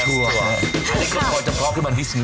อันนี้ก็พอจะพล็อคให้มันให้ชื่อ